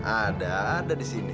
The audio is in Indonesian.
ada ada di sini